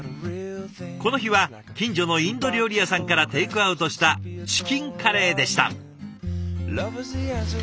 この日は近所のインド料理屋さんからテイクアウトしたチキンカレーでした。